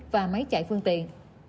và máy chạy phương tiện